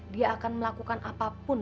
dia akan melakukan apapun